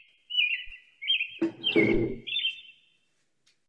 Těsto ale připomínalo dnešní nudle jen podobnou základní surovinou a možná tvarem.